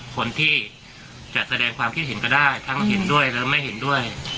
คนที่จะแสดงความคิดเห็นก็ได้ทั้งเห็นด้วยและไม่เห็นด้วย